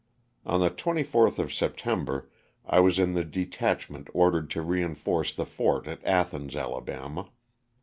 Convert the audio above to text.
On the 24th of September I was in the detachment ordered to reinforce the fort at Athens, Ala.